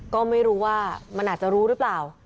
ก็ไม่รู้ว่ามันอาจจะรู้หรือเปล่า